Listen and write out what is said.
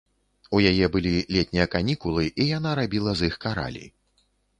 У яе былі летнія канікулы, і яна рабіла з іх каралі.